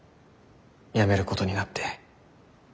辞めることになって。